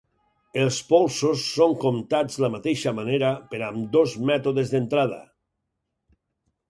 Els polsos són comptats la mateixa manera per ambdós mètodes d'entrada.